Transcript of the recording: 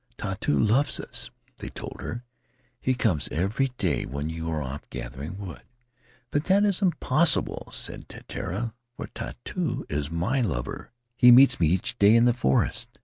'Tautu loves us,' they told her; 'he comes every day when you are off gathering wood.' 'But that is impossible,' said Titiara, 'for Tautu is my lover; he meets me each day in the forest.'